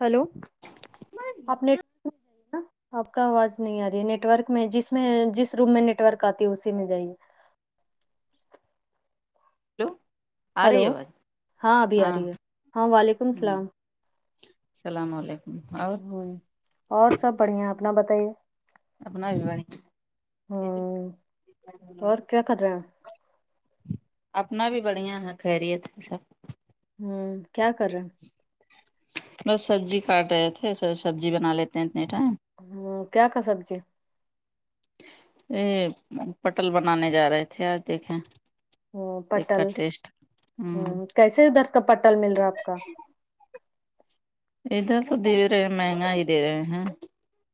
Hello آپ نےیٹری [unintelligible] جے نا آپ کا آواز نہیں آ رہی ہے نیٹ ورک میں جس میں جس روم میں نیٹ ورک آتی ہے اسی میں جائیے ہلو آ رہی ہلو ہے آواز ہاں ابھی آ رہی ہے ہاں وعلیکم السلام سلام علیکم اور اور سب بڑھیا اپنا بتائیے اپنا بھی ہ بڑھیا اور کیا کر رہے اپنا بھی بڑھیا ہے خیریت ہے سب ہوں کیا کر رہے ہو بس سبزی کاٹ رہے تھے س سبزی بنا لیتے ہیں اتنے ٹائم ہوں کیا کا سبزی ا پٹل بنانے جا رہے تھے آج دیکھیں ہوں ایک کا پٹل ٹیسٹ ہوں کیسے ادھر کا پٹل مل رہا آپ کا ادھر تو دے رہے ہیں مہنگا ہی دے رہے ہیں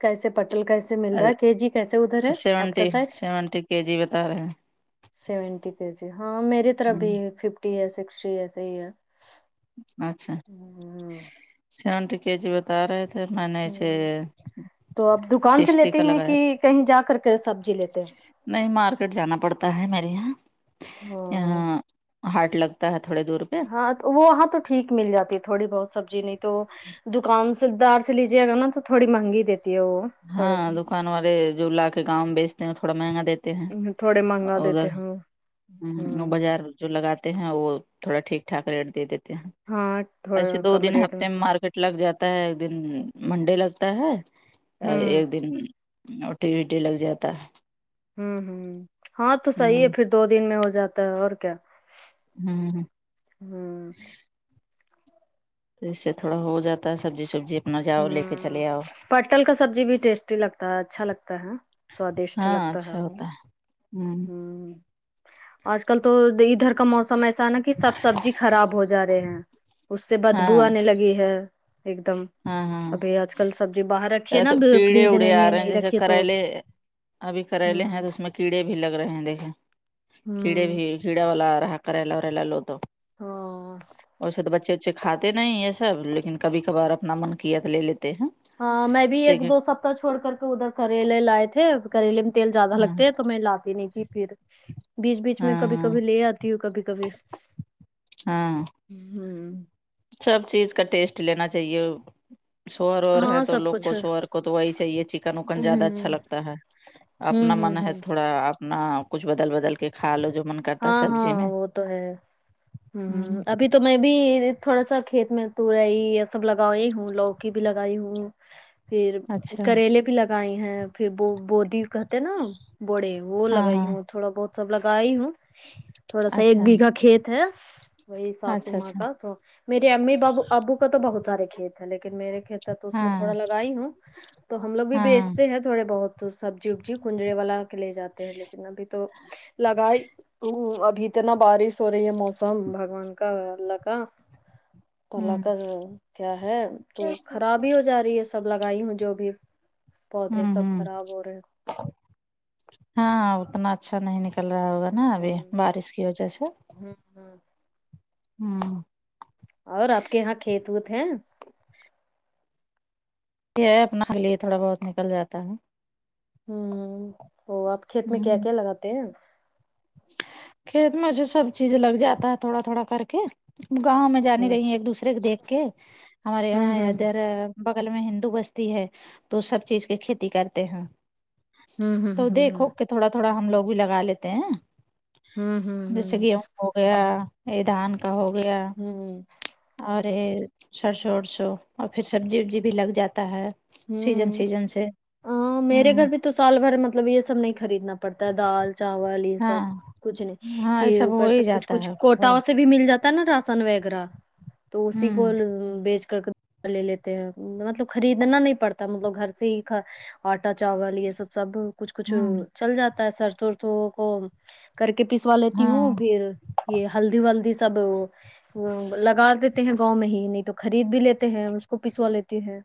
کیسے پٹل کیسے مل رہا ہے کے جی کیسے ادھر ہے آپ کا سیونٹی سائڈ سیونٹی کے جی بتا رہے سیونٹی کے جی ہاں میری طرف بھی ہیں فف ٹی ہے سکسٹی ایسے ہی ہے اچھا سیونٹی کے جی بتا رہے تھے میں ہ نے سے ہ تو آپ دکان سے لیتے ہیں کہ کہیں جا کر کے سبزی لیتے ہیں نہیں مارکیٹ جانا پڑتا ہے میرے یہاں ہیں ہ یہاں ہارٹ لگتا ہے تھوڑے دور پہ اں وہ وہاں تو ٹھیک مل جاتی ہے تھوڑی بہت سبزی نہیں تو دکان سے دار سے لیجیے نہ تو تھوڑی مہنگی دیتی ہے وہ تھوڑا ہاں سا دکان والے جو لا کے گاؤں بیچتے ہیں وہ تھوڑا مہنگا دیتے ہیں تھوڑے مانگا دیتے ہو ھمم وہ بازار جو لگاتے ہیں وہ تھوڑا ٹھیک ٹھاک ریٹ دے دیتے ہیں ہاں ایسے تھوڑا دو کم دن ریٹ ہفتے میں مارکیٹ لگ جاتا ہے ایک دن منڈے لگتا ہے ہے ہوں ایک دن ٹیوزڈے لگ جاتا ھمم ھمم ہاں تو صحیح ہے پھر دو دن میں ہو جاتا ہے اور کیا ھمم ہوں اس سے تھوڑا ہو جاتا ہے سبجی سبجی اپنا جاؤ لے کے ہ چلے آؤ پٹل کا سبزی بھی ٹیسٹی لگتا ہے اچھا لگتا ہے سوادشٹ لگتا ہے انہیں ہوں ہمم آج کل تو ڈا ادھر کا موسم ای سا نا کہ سب سبجی خراب ہو جا رہے ہیں اس سے بدبو ہاں آنے لگی ہے ایک دم ہاں ہاں ابھی آج کل سبزی باہر رکھیے نہ تو کیڑے فریج اڑے آ میں رہے ہیں نہیں جیسے رکھیے تو کریلے ابھی کریلے ہوں ہیں اس میں کیڑے بھی لگ رہے ہیں دیکھے کیڑے ہوں بھی کیڑا والا آرہا کریلا وریلا لو تو ہاں ویسے تو بچے اچھے کھاتے نہیں یہ سب لیکن کبھی کبار اب اپنا من کیا تو لے لیتے ہیں ہاں میں بھی ایک دیکھیں دو سپتہ چھوڑ کر کے ادھر کریلے لائے تھے کریلے میں تیل زیادہ ہاں لگتے ہے تو میں لاتی نہیں پھر بیچ بیچ میں ہاں کبھی ہاں کبھی لے آتی ہوں کبھی کبھی ہاں ہممم سب چیز کا ٹیسٹ لینا چاہیے شوہر اور ہے ہاں تو سب لوگ کو کچھ ہ شوہر کو تو وہی چاہیے چکن وکن ہ زیادہ اچھا لگتا ہے اپنا ہ من ہے ہ تھوڑا اپنا کچھ بدل بدل کے کھا لو جو من کرتا ہے ہاں سبزی ہاں میں وہ تو ہے ہمم ہوں ابھی تو میں بھی تھوڑا سا کھیت میں تورہائی یہ سب لگائی ہوں لوکی بھی لگائی ہوں پھر اچھا کریلے بھی لگائی ہیں پھر وہ بودی کہتے نا بوڑے وہ ہاں لگائی ہاں ہوں تھوڑا بہت سب لگائی ہوں تھوڑا سا ایک اچھا بیھہ کھیت ہے وہی ساسو اچھا ماں اچھا کا تو میری امی بابو آبو کا تو بہت سارے کھیت ہیں لیکن میرے کہتا تو اس میں ہاں تھوڑا لگائی ہوں تو ہم لوگ بھی ہاں بیچتے ہیں تھوڑے بہت سبزی ابزی کنجرے والا کے لے جاتے ہیں لیکن ابھی تو لگائی ہوں ابھی اتنا بارش ہو رہی ہے موسم بگوان کا اللہ کا کو لا ہوں کر کیا ہے تو خراب ہی ہو جا رہی ہے سب لگائی ہوں جو بھی پودے ھممم سب ھممم خراب ہو رہے ہاں اتنا اچھا نہیں نک ل رہا ہوگا نا ابھی ہ بارش کی وجہ سے ہ ہوں اور آپ کے یہاں کھیت وت ہیں یہ ہے اپنا خ لیے تھوڑا بہت نکل جاتا ہے ھممم وہ آپ کھیت میں کیا ہوں کیا لگاتے ہیں کھیت میں سے سب چیز لگ جاتا ہے تھوڑا تھوڑا کر کے گاؤں میں جانی ہ رہی ہیں ایک دوسرے کے دیکھ کے ہمارے ہ یہاں ہ ادھر بغل میں ہندو بستی ہے تو سب چیز کی کھیتی کرتے ہیں ہ ہ ہ ہوں تو دیکھو کہ تھوڑا تھوڑا ہم لوگ بھی لگا لیتے ہیں ہوں جیسے ہوں گیہوں ہو گیا یہ دھان کا ہو گیا ہوں ہوں اوے یہ شور شور ااور پھر سبزی وبزی بھی لگ جاتا ہے سیزن ہوں سیزن سے ہ میرے گھر ہوں بھی تو سال بھر مطلب یہ سب نہیں خریدنا پڑتا ہے دال چاول یہ ہاں سب کچھ نہیں ہاں یہ پھر سب ہو اوپر سے ہی کچھ جاتا کچھ ہے کوٹا تھوڑا سے بھی مل جاتا نا راسن وغیرہ تو اسی کو ہوں بیچ کر کے لے لیتے ہیں مطلب خریدنا نہیں پڑتا مطلب گھر سے ہی کھا آٹا چاول یہ سب سب کچھ کچھ ہوں چل جاتا ہے سرسو ورسو کو کر کے پیسوا لیتی ہوں ہاں پھر یہ ہلدی ولدی سب لگا دیتے ہیں گاؤں میں ہی نہیں تو خرید بھی لیتے ہیں اس کو پیسوا لیتے ہیں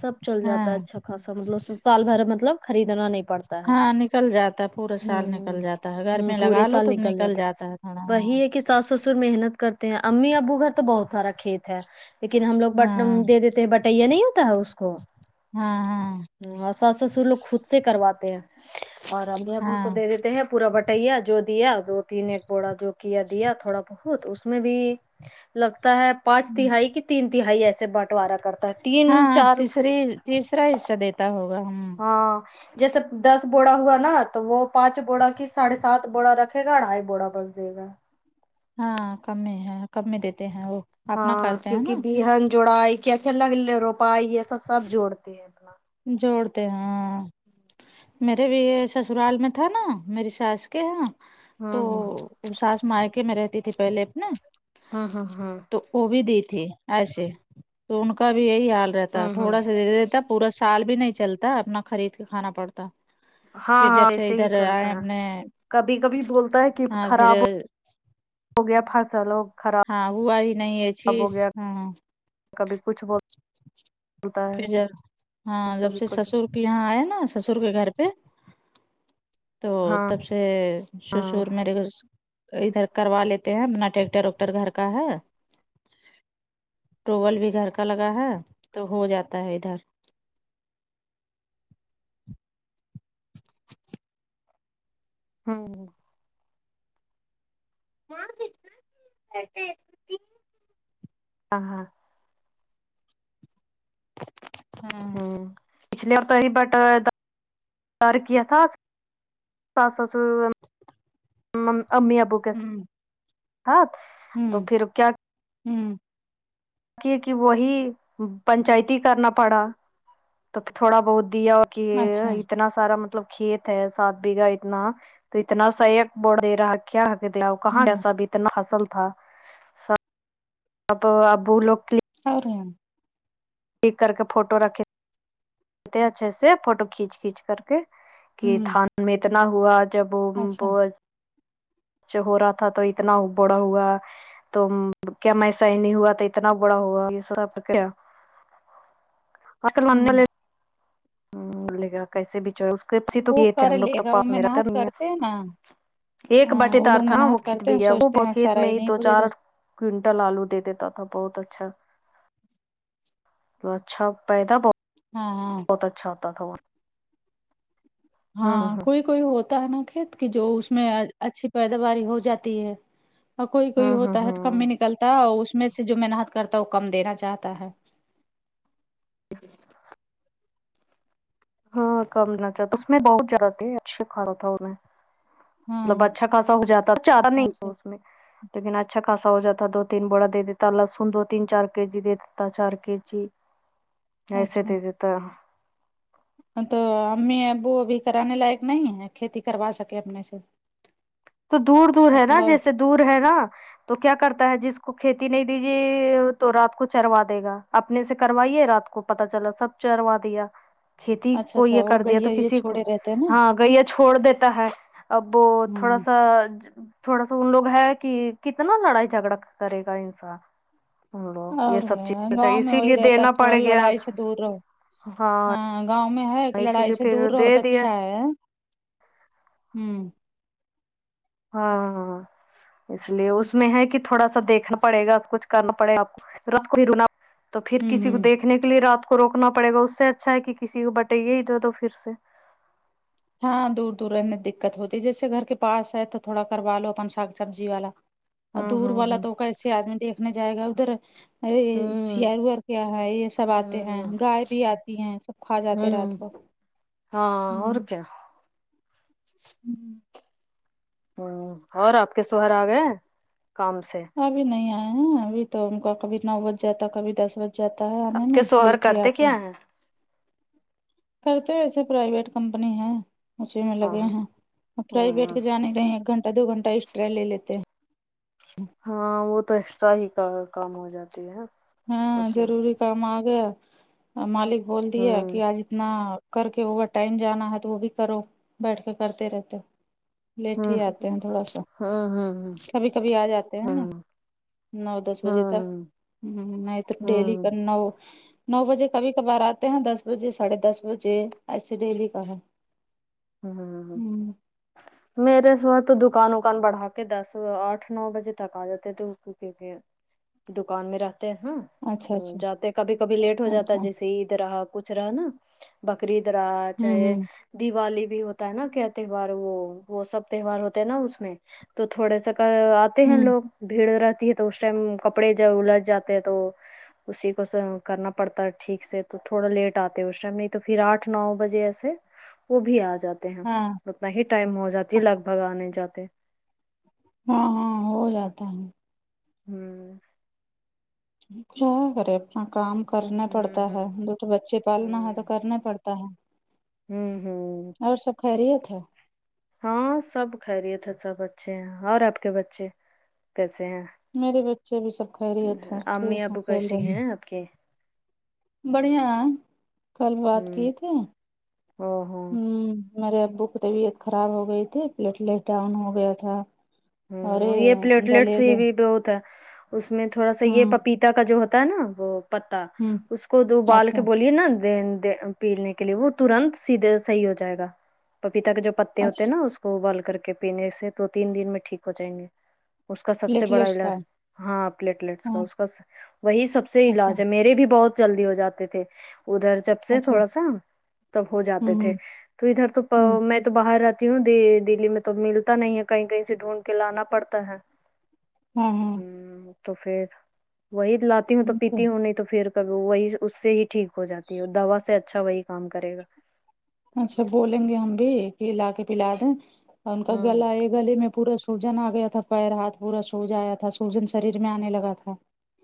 سب چل جاتا ہے ہاں اچھا خاصہ مطلب سال بھر مطلب خریدنا نہیں پڑ ہاں نکل جاتا پورا سال نکل جاتا ہے گھر میں لگا لو تو نکل جاتا ہے تھوڑا یہی ہاں ہے کہ ساس سسر محنت کرتے ہیں امی ابو گھر تو بہت سارا کھیت ہے لیکن ہم لو بٹ ہاں دے دیتے ہیں بٹیا نہیں ہوتا ہے اس کو ہاں ہاں ہوں ساس سسر لوگ خود سے کرواتے ہیں اور امی ابو تو دے ہاں دیتے ہیں پورا بٹیا جو دیا دو تین ایک بوڑا جو کیا دیا تھوڑا بہت اس میں بھی لگتا ہے پانچ تہائی کہ تین تہائی ایسے بانٹوارا کرتا ہے تین ہاں چار تیسری تیسرا حصہ دیتا ہوگا ہم ہاں جیسے دس بوڑا ہوا نا تو وہ پانچ بوڑا کی ساڑھے س سات بوڑا رکھے گا اڑھائی بوڑا بس دے گا ہاں کم میں ہے کم میں دیتے ہیں وہ اپنا ہاں کرتے ہیں کیونکہ نا بہن جوڑائی کیسے الگ روپائی یہ سب سب جوڑتے ہیں جوڑتے ہاں میرے بھی یہ سسرال میں تھا نا میری ساس کے یہاں ہاں ہاں ہاں او ساس مائکے میں رہتی تھی پہلے اپنے ہوں ہ ہوں تو وہ بھی دئیے تھے ایسے تو ان کا بھی یہی حال رہتا ہوں ہوں تھوڑا سا دے دیتا پورا سال بھی نہیں چلتا اپنا خرید کے کھانا پڑتا ہاں پھر ہاں جب سے ایسے ہی ادھر چلتا آئے ہے اپنے کبھی کبھی بولتا ہے کہ ہاں پھر خراب ہو گیا پھاسا لوگ ہاں ہوا ہی نہیں ہے چیز ہاں ہاں کبھی کچھ بول پھر جب ہاں جب کبھی سے کچھ سسر یہاں آئے نا سسر کے گھر پہ تو ہاں تب سے ہے ہاں سسر میرے گھر سے ادھر کروا لیتے ہیں اپنا ٹریکٹر وکٹر گھر کا ہے ٹوول بھی گھر کا لگا ہے تو ہو جاتا ہے ادھر [unintelligible] ہوں [inaudible] ہاں ہاں ہوں پچھلیے اور تو ہی بٹر [unintelligible] کیا تھا ساس سسر امی ابو کے ہوں ساتھ ہوں تو پھر ہوں کیونکہ وہی پنچایتی کرنا پڑا تو پھر تھوڑا بہت دیا کہ اچھا اتنا سارا مطلب کھیت ہے سات بیگھا اتنا تو اتنا سحیک بڑ دے رہا کیا د کہاں ہوں جسا بھی اتنا حصل تھا اب ابو لوک کی [unintelligible] کک کر کے فوٹو رکھے اچھے سے فوٹو کھینچ کھینچ کر کے کہ ہوں تھان میں اتنا ہوا جب اچھا وہ جو ہو رہا تھا تو اتنا بڑا ہوا تو کیا میں ایسا ہی نہیں ہوا تو اتنا بڑا ہوا یہ سب کیا آج کل ہوں [unintelligible] ہ ب [unintelligible] لے گا کیسے بچار تو گ وہ تھے ہم کر لوگ تو لے گا وہ پاس میرا تو محنت نہیں کرتے ہیں نا ایک ہاں باٹی وہ دار لوگ تھا نا وہ محنت کھیت کرتے ہیں بھییا وہ سوچتے ہیں کھیت سارا میں ہی نہیں دو کو دے چار دے کئنٹل آلو دے دیتا تھا بہت اچھا اچھا پیدا بہ ہاں ہاں ت اچھا ہوتا تھا وہ ہاں ہوں ہ کوئی کوئی ہوتا ہے نا کھیت کی جو اس میں اچھی پیداواری ہو جاتی ہے اور کوئی کوئی ہوں ہ ہوتا ہے تو کم ہوں بھی نکلتا ہے اس میں سے جو محنت کرتا ہے وہ کم دینا چاہتا ہے [unintelligible] ہاں کمنا چاہ اس میں بہت جرا تے اچھے کھانا تھا انہیں ہاں مطلب اچھا خاصا ہو جاتا چارا نہیں اچھا ہو اس میں لیکن اچھا خاصا ہو جاتا دو تین بڑا دے دیتا لہسن دو تین چار کے جی دے دیتا چار کے جی ایسے اچھا دے دیتا ہے تو امی ابو ابھی کرانے لائق نہیں ہے کھیتی کروا سکے اپنے سے تو دور دور اب ہے نا تھوڑا جیسے دور ہے نا تو کیا کرتا ہے جس کو کھیتی نہیں دیجیے تو رات کو چروا دے گا اپنے سے کروائیے رات کو پتا چلا سب چروا دیا کھیتی اچھا کوئی اچھا ہے وہ کر دے ہے تو گئیے یہ کسی کو چھوڑے رہتے ہیں نا ہاں گیا چھوڑ دیتا ہے اب وہ تھوڑا ہ سا تھوڑا سا ان لوگ ہے کہ کتنا لڑائی جھگڑا کرے گا انسان ہم لوگ یہ اور گ سب چیز گاؤں میں اسی وہی لیے رہتا ہے دینا پڑ تھوڑا گیا لڑائی سے دور رہو ہاں گاؤں میں ہے کہ اسی لڑائی لیے سے پھر دور رہے دے تو دیا اچھا ہے ہوں ہاں ہاں اس لیے اس میں ہے کہ تھوڑا سا دیکھنا پڑے گا کچھ کرنا پڑے گا آپ کو رنا تو پھر ہوں کسی کو ہوں دیکھنے کے لیے رات کو روکنا پڑے گا اس سے اچھا ہے کہ کسی کو بٹائیے ہی تو تو پھر سے ہاں دور دور رہنے دقت ہوتی ہے جیسے گھر کے پاس ہے تو تھوڑا کروا لو اپن ساگ سبزی والا ہوں دور والا ہوں تو کیسے آدمی دیکھنے جائے گا ادھر ار ہوں سیار ویار کیا ہے یہ سب آتے ہیں ہوں گائے بھی آتی ہے سب کھا جاتے ہوں ہوں رات کو ہ ہاں اور کیا ہوں ہوں اور آپ کے شوہر آ گئے کام سے ابھی نہیں آئے ہیں ابھی تو ان کا کبھی نو بج جاتا کبھی دس بج جاتا ہے آنے آپ کے میں شوہر لیٹ ہی کرتے آتے کیا ہیں کرتے ایسے پرائیویٹ کمپنی ہے اسی میں لگے ہیں اور پرائیویٹ کے جانے نہیں ایک گھنٹہ دو گھنٹہ ایکسٹرا لے لیتے ہیں ہاں وہ تو ایکسٹرا ہی کا کام ہو جاتی ہے ہاں اس میں ضروری کام آ گیا مالک بول دیا ہوں کہ آج اتنا کر کے اوور ٹائم جانا ہے تو وہ بھی کرو بیٹھ کے کرتے رہتے لیٹ ہی ہوں آتے ہیں تھوڑا سا ہوں ہوں کبھی کبھی آ جاتے ہیں نا ہوں نو دس ہوں بجے تک ہوں م۔ م۔ نہیں تو ڈیلی کر نو نو بجے کبھی کبھار آتے ہیں دس بجے ساڑھے دس بجے ایسے ڈیلی کا ہے ہوں ہوں ہوں ہوں میرے صبح تو دکان وکان بڑھا کے دس آٹھ نو بجے تک آ جاتے تھے کیونکہ دکان میں رھتے ہیں اچھا تو اچھا جاتے کبھی کبھی لیٹ ہو جاتا اچھا جیسے ہی عید رہا کچھ رہا نا بکری عید رہا ہوں چاہے ہوں دیوالی بھی ہوتا ہے نا کیا تہوار وہ وہ سب تہوار ہوتے ہیں نا اس میں تو تھوڑے سا کا پھر ہوں لوگ بھیڑ رہتی ہے تو اس ٹائم کپڑے جب الٹ جاتے ہیں تو اسی کو سہی کرنا پڑتا ہے ٹھیک سے تو تھوڑا لیٹ آتے ہے اس ٹائم نہیں تو پھر آٹھ نو بجے ایسے وہ بھی آ جاتے ہیں ہاں اتنا ہی ٹائم ہو جاتی ہے لگ بھگ آنے جاتے ہاں ہاں ہو جاتا ہے ہوں ے اپنا کام کرنا ہوں پڑتا ہے ہوں دو تو بچے پالنا ہے ہوں تو کرنے پڑ تا ہے ہوں ہوں اور سب خریت ہے ہاں سب خیریت ہے سب اچھے ہیں اور آپ کے بچے کیسے ہیں میرے بچے بھی سب خیریت ہے ٹھیک امی ہے ابو کھیل کیسی رہے ہیں آپ کے بڑھیا ہے کل بات ہ کیے تھے ہوں او ہو ہمارے ابو کی طبیعت خراب ہو گئی تھی پلیٹ لیٹ ڈاؤن ہو گیا تھا ارے ہوں یہ پلیٹلیٹس ہی گلیلے بھی بہت ہے اس میں تھوڑا سا یہ ہوں پپیت پتا کا جو ہوتا ہے نا وہ پتا ہوں اس کو دو بال کے اچھا بولیے نا دے د پینے کے لیے وہ ترنت سیدھے صحیح ہو جائے گا پپیتا کے جو پتے اچھا ہوتے ہیں نا اس ابال کر کے پینے سے دو تین دن میں ٹھیک ہو جائیں گے اس کا سب سے بڑا پلیٹلیٹس علاج کا ہاں پلیٹلیٹس کا ہاں اس کا وہی سب سے اچھا علاج ہے میرے بھی بہت جلدی ہو جا تھے تھی ادھر جب سے اچھا تھوڑا سا تب ہو ہوں جاتے تھے ہوں تو ادھر ہوں تو میں تو باہر رہتی ہوں د دلی میں تو ملتا نہیں ہے کہیں کہیں سے ڈھونڈ کلانا پڑتا ہے ہاں ہوں تو پھر وہی لاتی ہوں تو اچھا پیتی ہوں نہیں تو پھر کبھی وہی اس سے ہی ٹھیک ہو جاتی ہے دوا سے اچھا وہی کام کرے گا اچھا بولیں گے ہم بھی کہ لا کے پلا دیں اور ان کا ہوں گلا ایک گلے میں پورا سوجن آ گیا تھا پیر ہاتھ پورا سوجن آیا تھا سوجن شریر میں آنے لگا تھا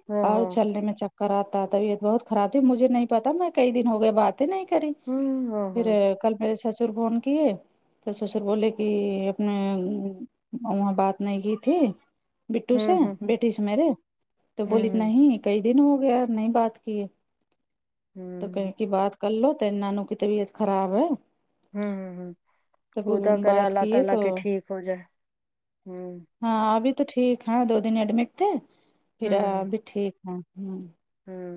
ہاں اور ہاں چلنے میں چک خراب تھا طبیعت بہت خراب تھی مجھے نہیں پتہ میں کئی دن ہو گئے بات ہی نہیں کری ہوں ہاں پھر ہاں کل میرے سسر فون کیے تو سسر بولے کہ اپ نے وہاں بات نہیں کی تھی بٹو ہوں سے ہوں بیٹی سے میرے تو بولی ہ نہیں کئی دن ہو گیا نہیں بات کئے تو ہوں کہیں کی بات کرلو تو نانو کی طبیعت خراب ہے ہوں ہوں ہوں تب خدا کرے بات اللہ کیے تعالی تو کے ٹھیک ہو جائے ہوں ہاں ابھی تو ٹھیک ہے دو دن ایڈمٹ تھے پھر ہوں ابھی ٹھیک ہے ہوں ہوں